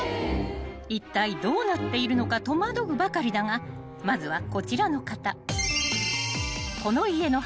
［いったいどうなっているのか戸惑うばかりだがまずはこちらの方］